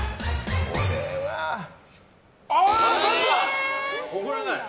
これは×。